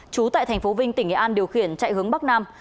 trú tại thành phố vinh tỉnh nghệ an điều khiển chạy hướng bắc nam